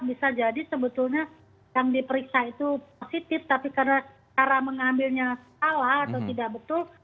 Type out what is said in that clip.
bisa jadi sebetulnya yang diperiksa itu positif tapi karena cara mengambilnya salah atau tidak betul